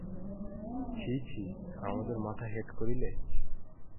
ছি ছি, আমাদের মাথা হেঁট করিলে।